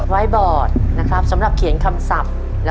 ไว้บอร์ดสำหรับเขียนคำศัพท์